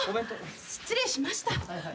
失礼しました。